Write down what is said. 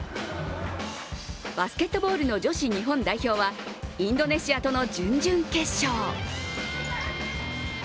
バスケットボールの女子日本代表はインドネシアとの準々決勝。